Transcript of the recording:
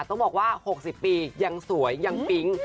ต้องบอกว่า๖๐ปียังสวยยังปิ๊ง